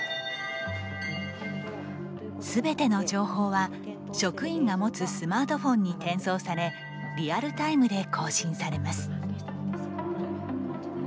全ての情報は職員が持つスマートフォンに転送されリアルタイムで更新されます。